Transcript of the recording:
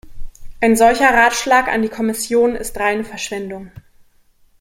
Ein solcher Ratschlag an die Kommission ist reine Verschwendung.